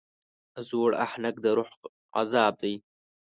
زوړ اهنګ د روح عذاب دی.